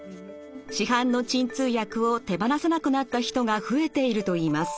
市販の鎮痛薬を手放せなくなった人が増えているといいます。